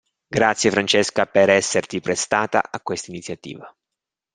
Grazie Francesca per esserti prestata a questa iniziativa.